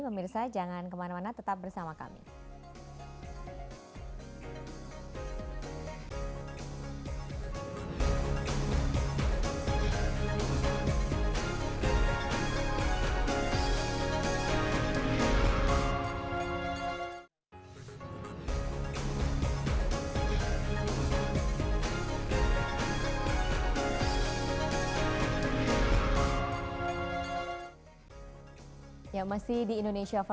memirsa jangan kemana mana tetap bersama kami